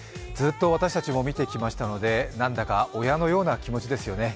ずっと私たちも見てきましたので、なんだか親のような気持ちですよね。